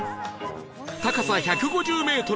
高さ１５０メートル